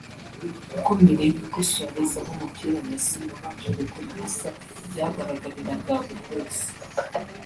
kuko mbere y’uko Suarez aha umupira Messi yabanje gukorera ikosa ryagaragariraga buri wese